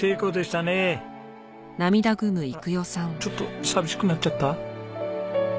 あらっちょっと寂しくなっちゃった？